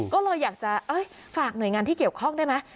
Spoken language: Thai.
ก็เลยอยากจะฝากหน่วยงานที่เกี่ยวข้องได้ไหม